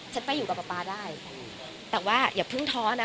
ฉันไปอยู่กับป๊าป๊าได้แต่ว่าอย่าพึ่งท้องนะ